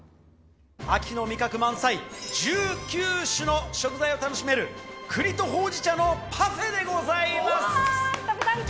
秋の味覚満載、１９種の食材を楽しめる、栗とほうじ茶のパフェで食べたい。